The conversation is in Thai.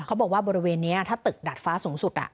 บอกว่าบริเวณนี้ถ้าตึกดาดฟ้าสูงสุด